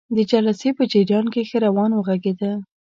د جلسې په جریان کې ښه روان وغږیده.